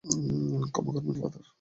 ক্ষমা করবেন, ফাদার।